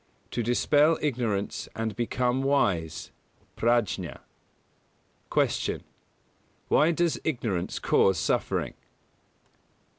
To dispel Ignorance and become wise (Prājña). 118. Q. _Why does ignorance cause suffering?